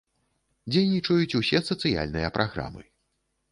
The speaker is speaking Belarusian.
Дзейнічаюць усе сацыяльныя праграмы.